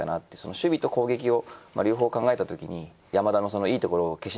守備と攻撃を両方考えたときに。